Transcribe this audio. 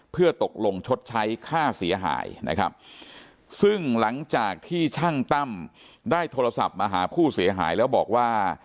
เพื่อตกลงชดใช้ค่าเสียหายนะครับซึ่งหลังจากที่ช่างตั้มได้โทรศัพท์มาหาผู้เสียหายแล้วบอกว่า